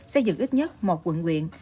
xây dựng ít nhất một quận quyện